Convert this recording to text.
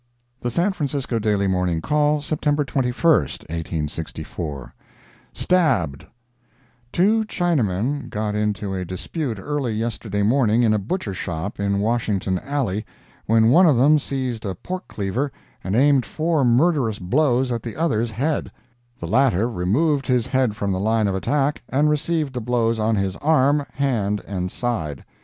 The San Francisco Daily Morning Call, September 21, 1864 STABBED Two Chinamen got into a dispute early yesterday morning in a butcher shop, in Washington Alley, when one of them seized a pork cleaver and aimed four murderous blows at the other's head; the latter removed his head from the line of attack, and received the blows on his arm, hand and side.